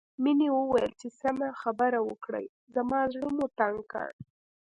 مينې وويل چې سمه خبره وکړئ زما زړه مو تنګ کړ